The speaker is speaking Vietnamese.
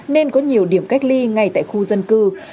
nên có nhiều điểm cách ly ngay tại khu dân cư